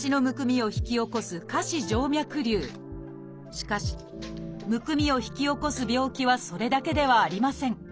しかしむくみを引き起こす病気はそれだけではありません。